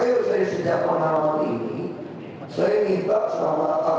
mereka belum bawa